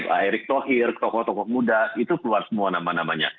pak erick thohir tokoh tokoh muda itu keluar semua nama namanya